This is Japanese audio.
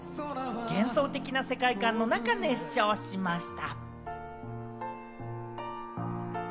幻想的な世界観の中、熱唱しました。